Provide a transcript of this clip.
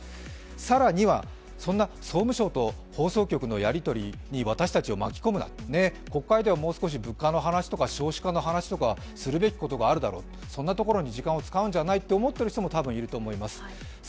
更には、そんな総務省と放送局のやりとりに私たちを巻き込むな、国会ではもう少し物価の話とか少子化の話とかするべきこともあるだろう、そんなところに時間を使うんじゃないと思っている人も多分いると思います。